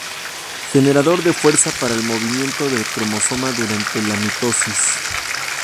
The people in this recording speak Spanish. Generador de fuerza para el movimiento del cromosoma durante la mitosis.